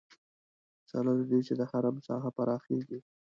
سره له دې چې د حرم ساحه پراخېږي.